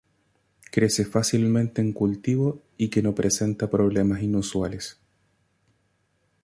Crece fácilmente en cultivo y que no presenta problemas inusuales.